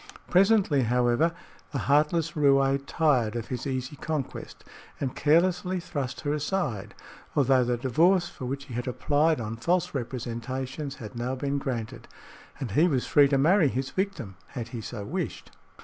Presently, however, the heartless roué tired of his easy conquest and carelessly thrust her aside, although the divorce for which he had applied on false representations had now been granted, and he was free to marry his victim had he so wished.